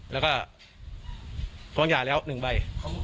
แล้วก็ฟ้องหย่าแล้ว๑ใบ